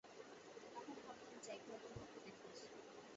তখন ভাবলাম, যাই, ভদ্রলোককে দেখে আসি।